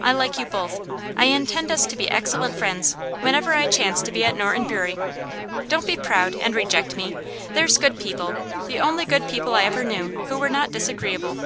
I like you both; I intend us to be excellent friends, whenever I chance to be at Norton Bury. Don't be proud, and reject me, there's good people the only good people I ever knew who were not disagreeable."